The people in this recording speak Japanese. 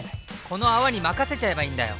この泡に任せちゃえばいいんだよ！